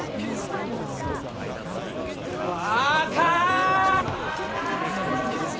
若！